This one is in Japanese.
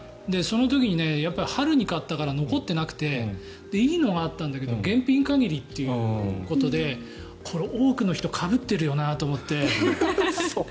その時に春に買ったから残っていなくていいのがあったんだけど現品限りということでこれ、多くの人がかぶっているよなと思って。